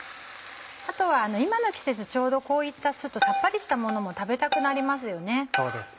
あとは今の季節ちょうどこういったさっぱりしたものも食べたくなりますよね。